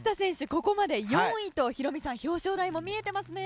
ここまで４位とヒロミさん表彰台も見えていますね。